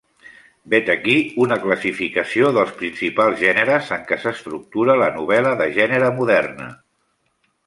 Vet aquí una classificació dels principals gèneres en què s'estructura la novel·la de gènere moderna.